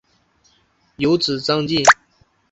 有子张缙。